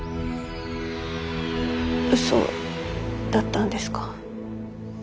うそだったんですか？